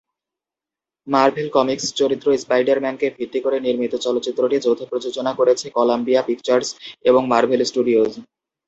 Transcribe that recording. Marvel Comics চরিত্র স্পাইডার-ম্যানকে ভিত্তি করে নির্মিত চলচ্চিত্রটি যৌথ-প্রযোজনা করেছে কলাম্বিয়া পিকচার্স এবং মার্ভেল স্টুডিওজ।